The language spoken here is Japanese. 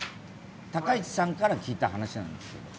高市さんから聞いた話なんですが。